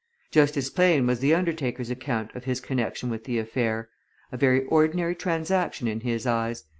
Just as plain was the undertaker's account of his connection with the affair a very ordinary transaction in his eyes.